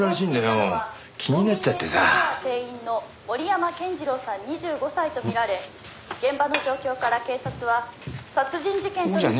「コンビニエンスストア店員の森山健次郎さん２５歳と見られ現場の状況から警察は殺人事件と見て」